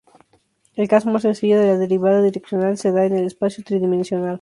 El caso más sencillo de la derivada direccional se da en el espacio tridimensional.